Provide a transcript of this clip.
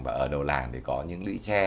và ở đầu làng thì có những lũy tre